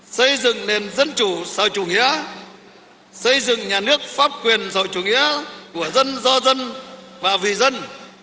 xây dựng nền dân chủ sau chủ nghĩa xây dựng nhà nước pháp quyền sau chủ nghĩa của dân do dân và vì dân